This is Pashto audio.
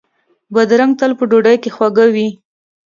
بادرنګ تل په ډوډۍ کې خواږه وي.